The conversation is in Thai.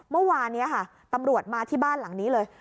เมื่อวานนี้ค่ะตำรวจมาที่บ้านหลังนี้เลย